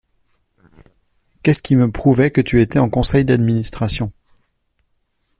Qu’est-ce qui me prouvait que tu étais en Conseil d’Administration ?